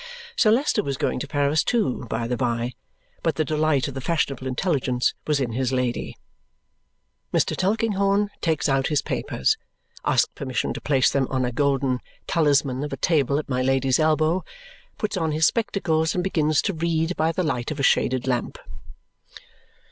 (Sir Leicester was going to Paris too, by the by, but the delight of the fashionable intelligence was in his Lady.) Mr. Tulkinghorn takes out his papers, asks permission to place them on a golden talisman of a table at my Lady's elbow, puts on his spectacles, and begins to read by the light of a shaded lamp.